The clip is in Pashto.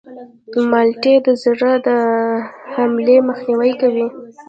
مالټې د زړه د حملې مخنیوی کوي.